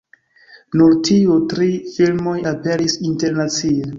Nur tiuj tri filmoj aperis internacie.